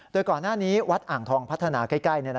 โดยก่อนหน้านี้วัดอ่างทองพัฒนาใกล้